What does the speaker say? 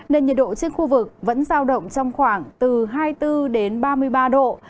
nên nhiệt độ trên khu vực vẫn giao động trong khoảng từ hai mươi bốn đến ba mươi ba độ